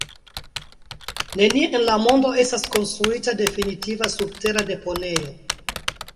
Nenie en la mondo estas konstruita definitiva subtera deponejo.